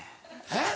えっ？